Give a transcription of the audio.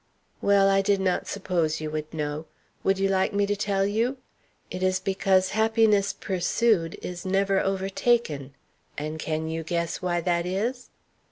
"Well, I did not suppose you would know. Would you like me to tell you? It is because happiness pursued is never overtaken. And can you guess why that is?